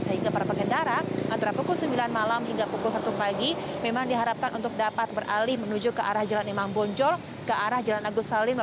sehingga para pengendara antara pukul sembilan malam hingga pukul satu pagi memang diharapkan untuk dapat beralih menuju ke arah jalan imam bonjol ke arah jalan agus salim